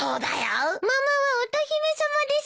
ママは乙姫さまです。